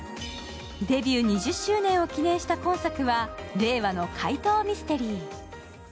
デビュー２０周年を記念した今作は令和の怪盗ミステリー。